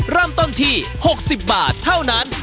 เริ่มต้นที่๖๐บาทเท่านั้น